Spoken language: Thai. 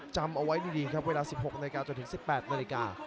จำเอาไว้ดีครับเวลาสิบหกนาฬิกาจนถึงสิบแปดนาฬิกา